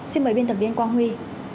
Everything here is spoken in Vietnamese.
xin mời bên tập viên quang huy